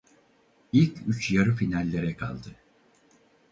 İlk üç yarı finallere kaldı.